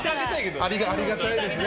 ありがたいですね。